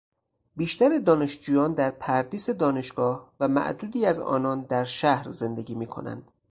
بیشتر دانشجویان در پردیس دانشگاه و معدودی از آنان در شهر زندگی میکنند.